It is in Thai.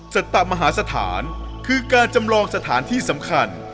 สตมหาสถานคือการจำลองสถานที่สำคัญ